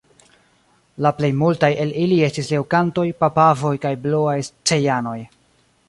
La plejmultaj el ili estis leŭkantoj, papavoj kaj bluaj cejanoj.